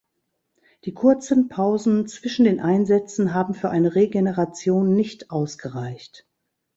Die kurzen Pausen zwischen den Einsätzen haben für eine Regeneration nicht ausgereicht.